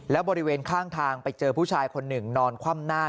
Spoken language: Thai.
แล้วบริเวณข้างทางไปเจอผู้ชายคนหนึ่งนอนคว่ำหน้า